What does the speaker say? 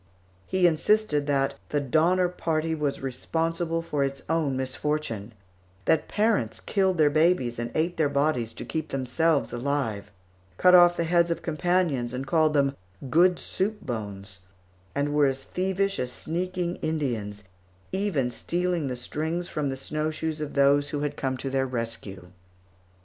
_ He insisted that the Donner Party was responsible for its own misfortune; that parents killed their babies and ate their bodies to keep themselves alive; cut off the heads of companions and called them good soup bones; and were as thievish as sneaking Indians, even stealing the strings from the snowshoes of those who had come to their rescue.